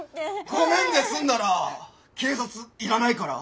ごめんで済んだら警察いらないから。